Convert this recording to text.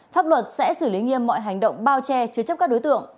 pháp luật sẽ xử lý nghiêm mọi hành động bao che chứa chấp các đối tượng